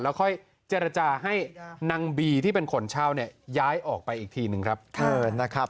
แล้วค่อยเจรจาให้นางบีที่เป็นคนเช่าเนี่ยย้ายออกไปอีกทีหนึ่งครับนะครับ